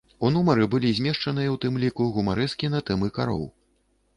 У нумары былі змешчаныя, у тым ліку, гумарэскі на тэмы кароў.